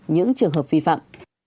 những trường hợp vi phạm